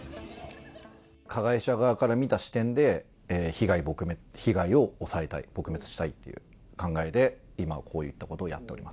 加害者側から見た視点で、被害を抑えたい、撲滅したいという考えで、今こういったことをやっております。